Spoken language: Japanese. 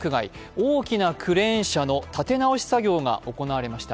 大きなクレーン車の立て直し作業が行われました。